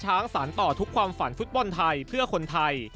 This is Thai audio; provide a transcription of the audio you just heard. สารต่อทุกความฝันฟุตบอลไทยเพื่อคนไทย